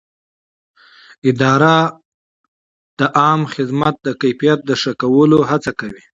اداره د عامه خدمت د کیفیت د ښه کولو هڅه کوي.